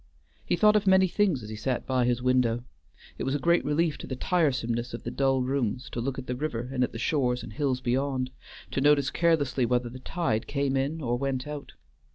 He thought of many things as he sat by his window; it was a great relief to the tiresomeness of the dull rooms to look at the river and at the shores and hills beyond; to notice carelessly whether the tide came in or went out.